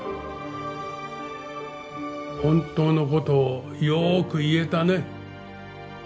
本当のことをよく言えたね。